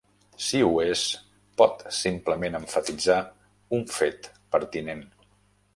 Si ho és, pot simplement emfatitzar un fet pertinent.